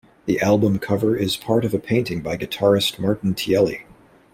The album cover is part of a painting by guitarist Martin Tielli.